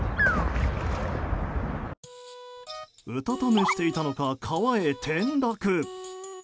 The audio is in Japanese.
うたた寝していたのか川へ転落。